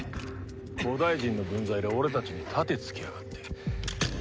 古代人の分際で俺たちに盾突きやがって。